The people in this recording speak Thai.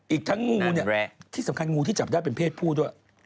อีกทั้งงูเนี่ยที่สำคัญงูที่จับได้เป็นเพศผู้ด้วย